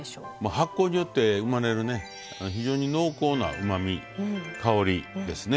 発酵によって生まれる非常に濃厚なうまみ香りですね。